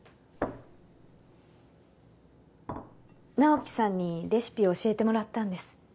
直木さんにレシピを教えてもらったんです